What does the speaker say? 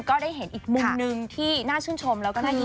ก็ได้เห็นอีกมุมนึงที่น่าชื่นชม